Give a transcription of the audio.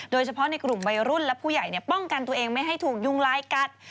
โดยเฉพาะในกลุ่มวัยรุ่นและผู้ใหญ่ป้องกันตัวเองไม่ให้ถูกยุงลายกัด